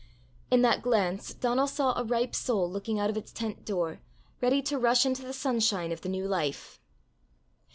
In that glance Donal saw a ripe soul looking out of its tent door, ready to rush into the sunshine of the new life.